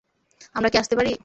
আমরা কি আসতে পারি?